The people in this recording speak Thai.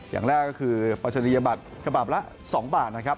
อย่างแรกก็คือปราชนียมบัติฉบับละ๒บาท